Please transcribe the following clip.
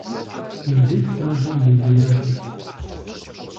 Мэжид щӀалэм егиящ.